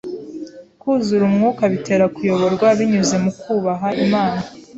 Kwuzura Umwuka bitera kuyoborwa binyuze mu kwubaha Imana,